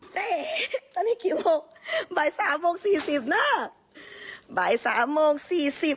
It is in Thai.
เจ๊ตอนนี้กี่โมงบ่ายสามโมงสี่สิบเนอะบ่ายสามโมงสี่สิบ